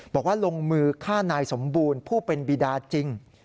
บอกว่าลงมือฆ่านายสมบูรณ์ผู้เป็นบีดาจริง